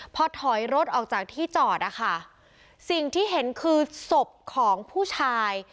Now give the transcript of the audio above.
พอถอยรถออกจากที่จอดนะคะสิ่งที่เห็นคือศพของผู้ชาย